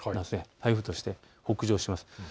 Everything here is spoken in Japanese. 台風として北上します。